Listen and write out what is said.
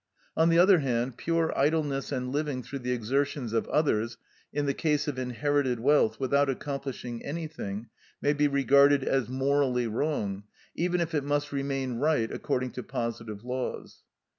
On the other hand, pure idleness and living through the exertions of others, in the case of inherited wealth, without accomplishing anything, may be regarded as morally wrong, even if it must remain right according to positive laws.